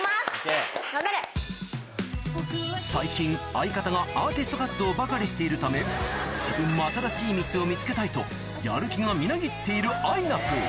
最近相方がアーティスト活動ばかりしているため自分も新しい道を見つけたいとやる気がみなぎっているあいなぷぅ